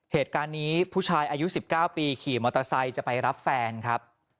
เหตุการณ์นี้ผู้ชายอายุ๑๙ปีขี่มอเตอร์ไซค์จะไปรับแฟนครับ